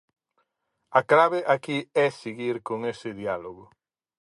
A clave aquí é seguir con ese diálogo.